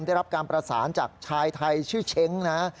ได้รับการประสานจากชายไทยชื่อเช้งนะ